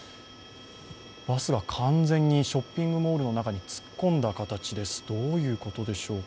バスが完全にショッピングモールの中に突っ込んだ形です、どういうことでしょうか。